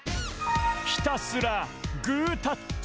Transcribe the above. ひたすらグータッチ。